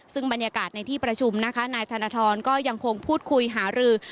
ซึ่งบรรยากาศในที่ประชุมนะคะนายธนทรก็ยังคงพูดคุยหารือ